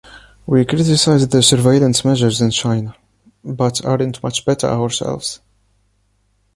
We criticize the surveillance measures in China, but aren’t much better ourselves.